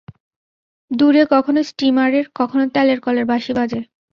দূরে কখনো স্টীমারের, কখনো তেলের কলের বাঁশি বাজে।